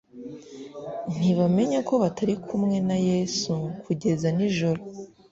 , ntibamenya ko batari kumwe na Yesu kugeza ninjoro